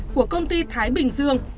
của công ty thái bình dương